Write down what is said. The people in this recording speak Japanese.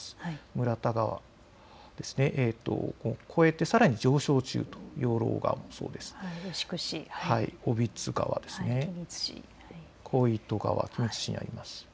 村田川、超えてさらに上昇中、養老川もそうです、小櫃川、小糸川、君津市にあります。